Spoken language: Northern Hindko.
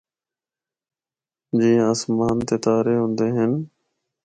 جِیّاں اسمان تے تارے ہوندے ہن۔